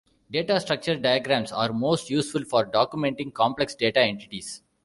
Data structure diagrams are most useful for documenting complex data entities.